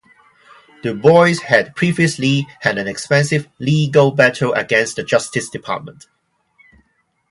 Du Bois had previously had an expensive legal battle against the Justice Department.